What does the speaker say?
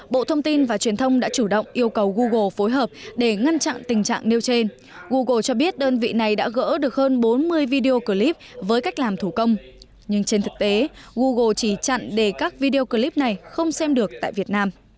bộ thông tin và truyền thông đã chủ động yêu cầu google phối hợp để ngăn chặn tình trạng nêu trên google cho biết đơn vị này đã gỡ được hơn bốn mươi video clip với cách làm thủ công nhưng trên thực tế google chỉ chặn để các video clip này không xem được tại việt nam